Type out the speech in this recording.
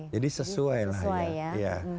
jadi sesuai lah ya